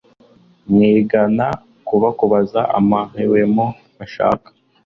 mwigana bakubuza amahwemo bashaka